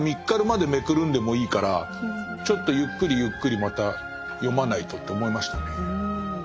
かるまでめくるんでもいいからちょっとゆっくりゆっくりまた読まないとって思いましたね。